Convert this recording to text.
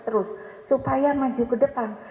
terus supaya maju ke depan